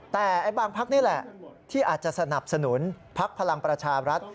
แต่บางพักนี่แหละที่อาจจะสนับสนุนพักพลังประชารัฐ